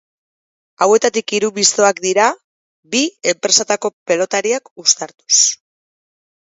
Hauetatik hiru mistoak dira, bi enpresatako pelotariak uztartuz.